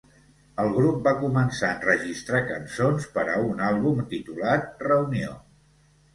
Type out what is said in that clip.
El grup va començar a enregistrar cançons per a un àlbum titulat "Reunió".